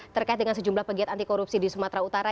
terkait dengan sejumlah pegiat anti korupsi di sumatera utara